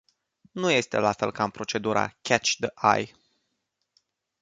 Nu este la fel ca în procedura "catch-the-eye”.